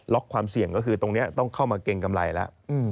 ความเสี่ยงก็คือตรงนี้ต้องเข้ามาเกรงกำไรแล้ว